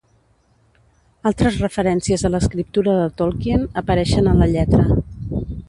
Altres referències a l'escriptura de Tolkien apareixen en la lletra.